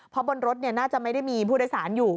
เพราะบนรถน่าจะไม่ได้มีผู้โดยสารอยู่